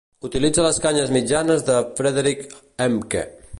Utilitza les canyes mitjanes de Frederick Hemke.